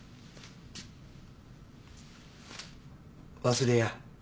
忘れや。